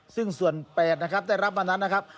ซึ่งส่วน๘นะครับได้รับมานั้นนะครับ